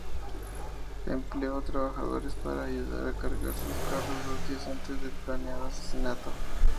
Empleó trabajadores para ayudar a cargar sus carros dos días antes del planeado asesinato.